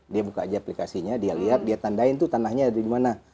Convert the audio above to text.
dia buka aja aplikasinya dia lihat dia tandain tuh tanahnya ada di mana